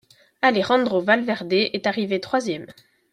Alejandro Valverde est arrivé troisième.